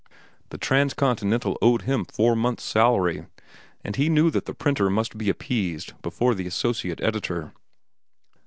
The Transcontinental owed him four months' salary, and he knew that the printer must be appeased before the associate editor.